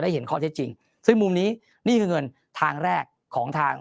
เห็นข้อเท็จจริงซึ่งมุมนี้นี่คือเงินทางแรกของทาง